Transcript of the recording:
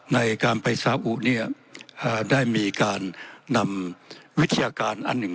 ในการไปสาอุเนี่ยได้มีการนำวิทยาการอันหนึ่ง